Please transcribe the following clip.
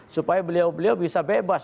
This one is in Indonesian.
supaya beliau beliau bisa bebas